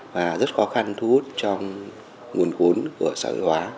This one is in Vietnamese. và rất khó khăn thu hút trong nguồn vốn của xã hội hóa